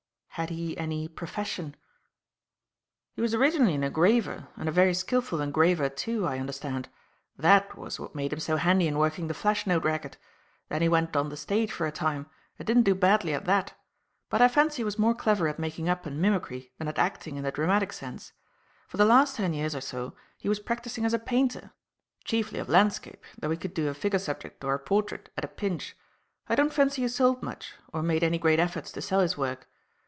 Had he any profession?" "He was originally an engraver, and a very skilful engraver, too, I understand. That was what made him so handy in working the flash note racket. Then he went on the stage for a time, and didn't do badly at that; but I fancy he was more clever at making up and mimicry than at acting in the dramatic sense. For the last ten years or so he was practising as a painter chiefly of landscape, though he could do a figure subject or a portrait at a pinch. I don't fancy he sold much, or made any great efforts to sell his work.